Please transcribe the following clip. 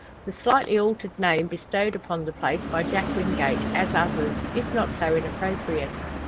The slightly altered name bestowed upon the place by Jack Wingate, as others, is not so inappropriate.